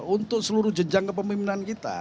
untuk seluruh jenjang kepemimpinan kita